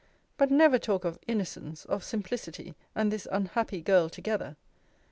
But never talk of innocence, of simplicity, and this unhappy girl, together!